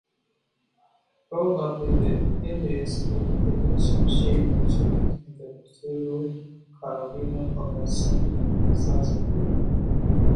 Probably the earliest is a dulcian-shaped instrument in the Museum Carolino Augusteum in Salzburg.